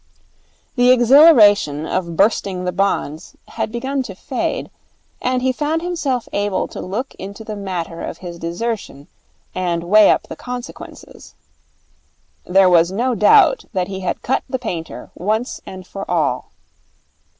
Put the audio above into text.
The exhilaration of bursting the bonds had begun to fade, and he found himself able to look into the matter of his desertion and weigh up the consequences. There was no doubt that he had cut the painter once and for all.